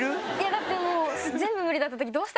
だってもう。